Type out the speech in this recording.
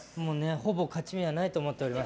ほぼ勝ち目はないと思っています。